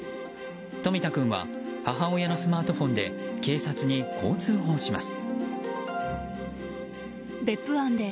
冨田君は母親のスマートフォンで警察にこう通報します。